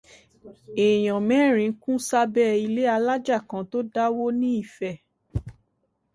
Èèyàn mẹ́rin kú sábẹ́ ilé alájà kan tó dàwó ní Ifẹ̀.